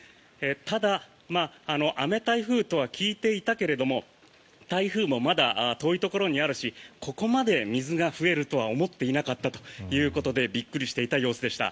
ただ、雨台風とは聞いていたけれども台風もまだ遠いところにあるしここまで水が増えるとは思っていなかったということでびっくりしていた様子でした。